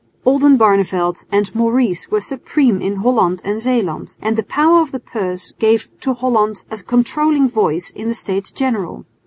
Oldenbarneveldt and Maurice were supreme in Holland and Zeeland; and the power of the purse gave to Holland a controlling voice in the States General.